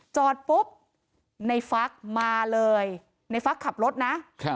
จอดปุ๊บในฟักมาเลยในฟักขับรถนะ